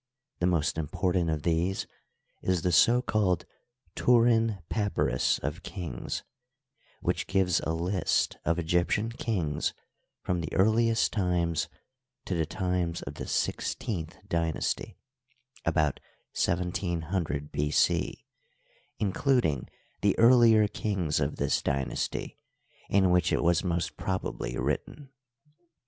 The most important of these is the so called " Turin Papyrus of Kings,* which gives a list of Egyptian kings from the earliest times to the times of the sixteenth dynasty (about 1700 B. c), including the earlier kings of this dynasty, in which it was most probably written.